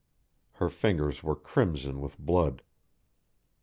Her fingers were crimson with blood.